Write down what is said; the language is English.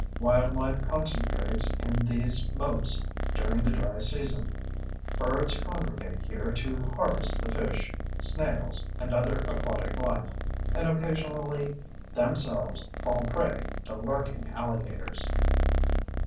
Wildlife concentrates in these moats during the dry season. Birds congregate here to harvest the fish, snails, and other aquatic life—and occasionally themselves fall prey to lurking alligators.